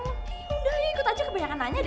udah ikut aja kebanyakan nanya deh